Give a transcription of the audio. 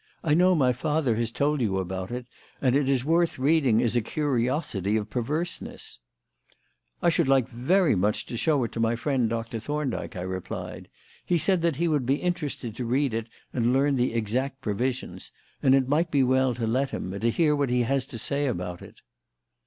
I know my father has told you about it, and it is worth reading as a curiosity of perverseness." "I should very much like to show it to my friend, Doctor Thorndyke," I replied. "He said that he would be interested to read it and learn the exact provisions; and it might be well to let him, and hear what he has to say about it."